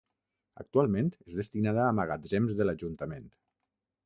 Actualment és destinada a magatzems de l'ajuntament.